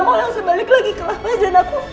mau yang sebalik lagi kelapanya dan aku